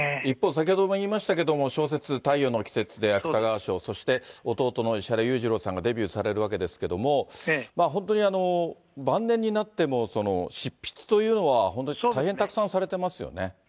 一方、先ほども言いましたけれども、小説、太陽の季節で芥川賞、そして弟の石原裕次郎さんがデビューされるわけですけれども、本当に、晩年になっても、執筆というのは、本当に大変たくさんされてますよね。